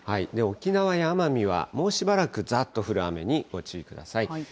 沖縄や奄美はもうしばらくざーっと降る雨にご注意ください。